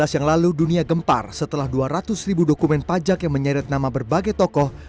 tahun dua ribu enam belas yang lalu dunia gempar setelah dua ratus ribu dokumen pajak yang menyeret nama berbagai tokoh